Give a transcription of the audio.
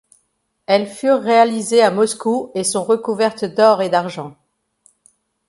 Elles furent réalisées à Moscou et sont recouvertes d'or et d'argent.